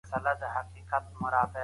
بايد ټول دښمنان وپيږي په زغرده